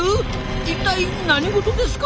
一体何事ですか！？